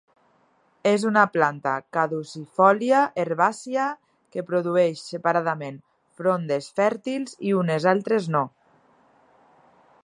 És una planta caducifòlia herbàcia, que produeix separadament frondes fèrtils i unes altres no.